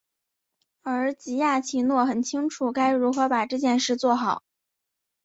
而吉亚奇诺很清楚该如何把这件事做好。